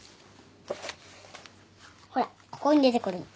ほらここに出てくるの。